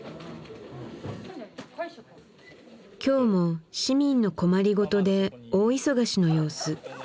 今日も市民の困りごとで大忙しの様子。